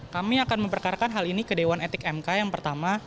kami akan memperkarakan hal ini ke dewan etik mk yang pertama